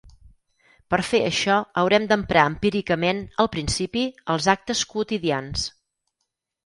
Per fer això haurem d'emprar empíricament, al principi, els actes quotidians.